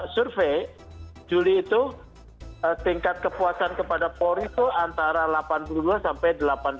survei juli itu tingkat kepuasan kepada polri itu antara delapan puluh dua sampai delapan puluh